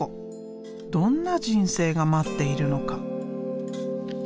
どんな人生が待っているのか。